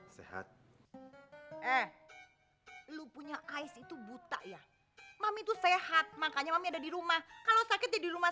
sehat eh lu punya ais itu buta ya mami itu sehat makanya mami ada di rumah kalau sakit jadi rumah